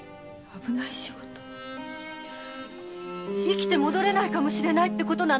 生きて戻れないかもしれないってことなのかい！？